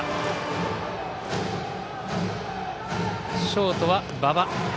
ショートは馬場。